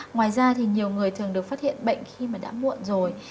ngoài ra thì nhiều người thường được phát hiện bệnh khi mà đã muộn rồi